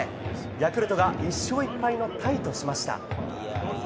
ヤクルトが１勝１敗のタイとしました。